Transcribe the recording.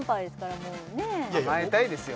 甘えたいですよ